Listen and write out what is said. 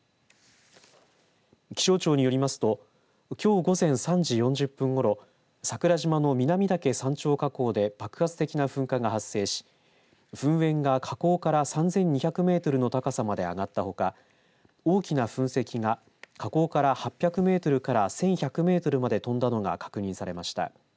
気象庁によりますときょう午前３時４０分ごろ桜島の南岳山頂火口で爆発的な噴火が発生し噴煙が火口から３２００メートルの高さまで上がったほか大きな噴石が火口から８００メートルから１１００メートルまで飛んだのが確認されました。